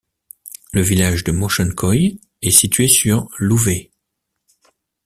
Le village de Mochenkoïe est situé sur l'Ouver.